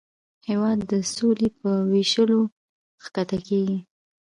هېواد د سولې په ویشلو ښکته کېږي.